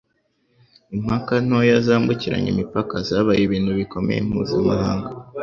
Impaka ntoya zambukiranya imipaka zabaye ibintu bikomeye mpuzamahanga